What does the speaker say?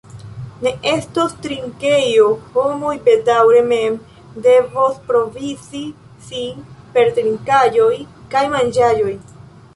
Ne estos trinkejo, homoj bedaŭre mem devos provizi sin per trinkaĵoj kaj manĝaĵoj.